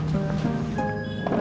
ibu dokter ibu